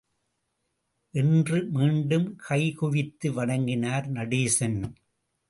என்று மீண்டும் கைகுவித்து வணங்கினார் நடேசன்.